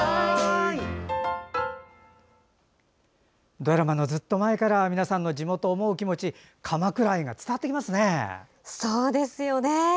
ドラマのずっと前から皆さんの地元を思う気持ち鎌倉愛が伝わってきますね。